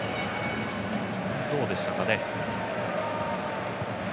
どうでしたかね。